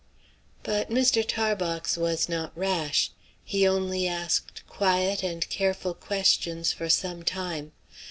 But Mr. Tarbox was not rash. He only asked quiet and careful questions for some time.